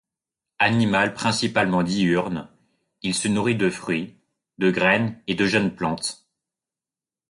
Animal principalement diurne, il se nourrit de fruits, de graines et de jeunes plantes.